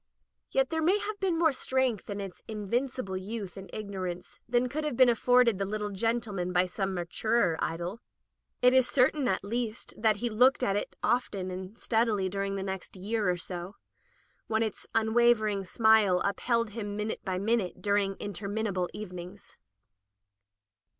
Yet there may have been more strength in its invincible youth and ignorance than could have been afforded the litde gendeman by some maturer idol. It is certain, at least, that he looked at it often and steadily during the next year or so, when its unwavering smile upheld him min ute by minute during interminable evenings.